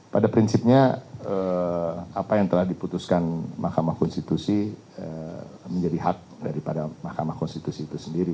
pada prinsipnya apa yang telah diputuskan mahkamah konstitusi menjadi hak daripada mahkamah konstitusi itu sendiri